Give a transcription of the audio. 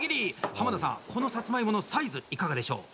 濱田さん、このさつまいものサイズいかがでしょう？